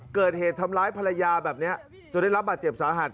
เกิดเหตุทำร้ายภรรยาแบบนี้จนได้รับบาดเจ็บสาหัส